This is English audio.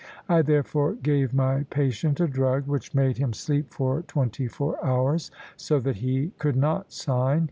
I therefore gave my patient a drug, which made him sleep for twenty four hours, so that he could not sign.